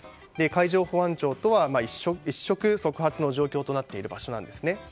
海上保安庁とは一触即発の状況となっている場所なわけですね。